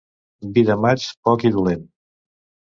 Vi de maig, poc i dolent.